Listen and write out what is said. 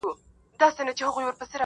چي خپل دي راسي په وطن کي دي ښارونه سوځي!